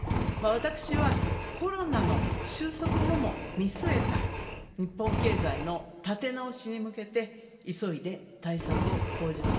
私はコロナの収束後も見据えた日本経済の立て直しに向けて、急いで対策を講じます。